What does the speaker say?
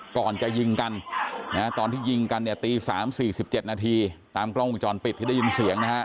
ก่อนจะยิงกันนะฮะตอนที่ยิงกันเนี้ยตีสามสี่สิบเจ็ดนาทีตามกล้องวงจรปิดที่ได้ยินเสียงนะฮะ